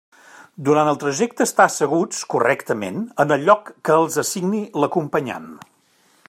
Durant el trajecte estar asseguts correctament en el lloc que els assigni l'acompanyant.